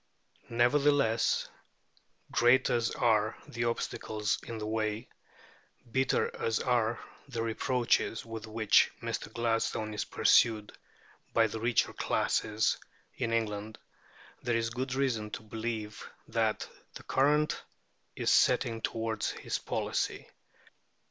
Nevertheless, great as are the obstacles in the way, bitter as are the reproaches with which Mr. Gladstone is pursued by the richer classes in England, there is good reason to believe that the current is setting toward his policy.